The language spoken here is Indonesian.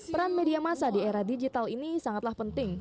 peran media masa di era digital ini sangatlah penting